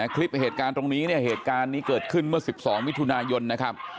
คลิปเหตุการณ์ตรงนี้เนี่ยเหตุการณ์นี้เกิดขึ้นเมื่อ๑๒มิถุนายนนะครับ